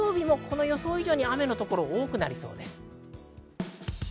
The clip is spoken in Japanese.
日曜日も予想以上に雨のところが多くなりそうです。